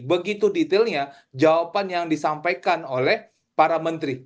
begitu detailnya jawaban yang disampaikan oleh para menteri